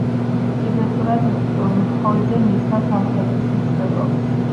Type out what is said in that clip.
ტიბეტურად ლჰოძე ნიშნავს „სამხრეთის მწვერვალს“.